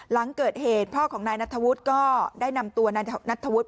หลังเกิดเหตุพ่อของนายนัทธวุฒิก็ได้นำตัวนายนัทธวุฒิ